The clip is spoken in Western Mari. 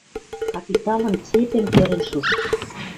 Капиталын цепьӹм кӹрӹн шуш